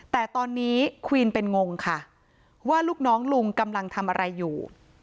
แต่ตอนนี้ควีนเป็นงงค่ะว่าลูกน้องลุงกำลังทำอะไรอยู่